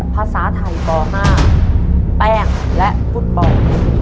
ภาษาไทยป๕แป้งและฟุตบอล